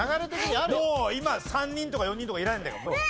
もう今３人とか４人とかいらないんだよ。